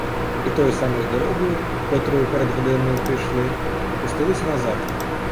І тою самою дорогою, котрою перед годиною прийшли, пустилися назад.